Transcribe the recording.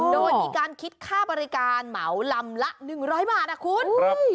โดยมีการคิดค่าบริการเหมาลำละ๑๐๐บาทนะคุณ